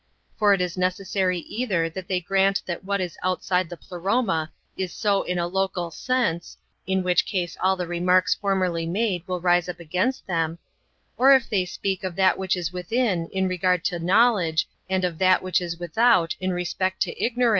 For it is necessary either that thev arrant that what is outside the Pleroma is so in a local sense, in which case all the remarks formerly made will rise up against them ; or if they speak of that which is within in regard to know ledge, and of that which is without in respect to ignorance, Book ii.